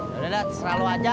yaudah deh serah lo aja